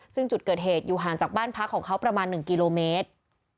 ซึ่งจุดเกิดเหตุอยู่ห่างจากบ้านพักของเขาประมาณ๑กิโลเมตร